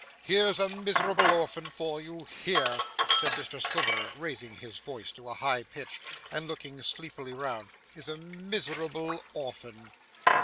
Here's a miserable orphan for you. Here,' said Mr Swiveller raising his voice to a high pitch, and looking sleepily round, 'is a miserable orphan!